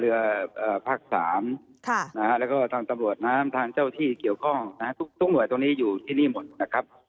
เรือหักนะครับแล้วก็ทางสำรวจนะครับทางเจ้าที่เรือด้วยเเคียที่เกี่ยวก้อนพี่ค่ะทุกหน่วยทั้งประสานทุกหน่วยตรงนี้อยู่ที่นี่หมดนะครับ